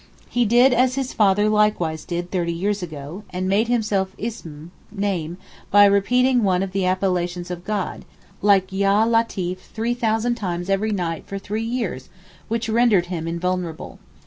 He did as his father likewise did thirty years ago, made himself Ism (name) by repeating one of the appellations of God, like Ya Latif three thousand times every night for three years which rendered him invulnerable.